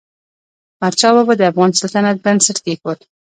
احمدشاه بابا د افغان سلطنت بنسټ کېښود.